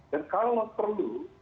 dan kalau perlu